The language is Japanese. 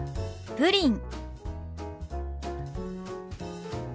「プリン」。